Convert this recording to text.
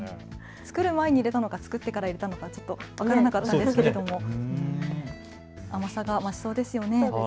作る前に入れたのか、作ってから入れたのか分からなかったんですけれども、甘さが増しそうですよね。